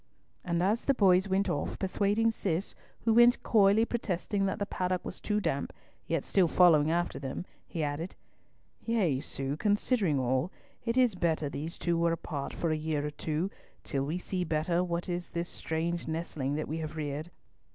And as the boys went off, persuading Cis, who went coyly protesting that the paddock was damp, yet still following after them, he added, "Yea, Sue, considering all, it is better those two were apart for a year or so, till we see better what is this strange nestling that we have reared.